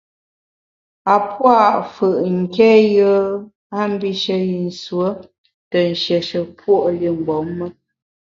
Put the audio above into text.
A pua’ mfù’ nké yùe a mbishe yi nsuo te nshieshe puo’ li mgbom me.